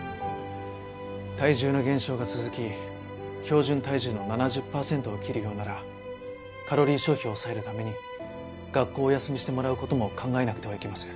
体重の減少が続き標準体重の７０パーセントを切るようならカロリー消費を抑えるために学校をお休みしてもらう事も考えなくてはいけません。